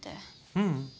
ううん。